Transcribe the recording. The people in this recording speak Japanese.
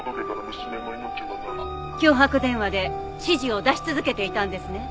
脅迫電話で指示を出し続けていたんですね。